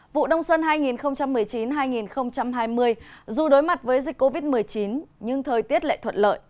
vụ đông xuân hai nghìn một mươi chín hai nghìn hai mươi dù đối mặt với dịch covid một mươi chín nhưng thời tiết lại thuận lợi